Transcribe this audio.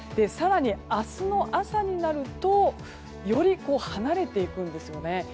更に、明日の朝になるとより離れていくんですよね。